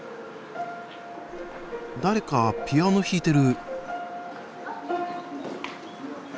誰かピアノ弾いてる。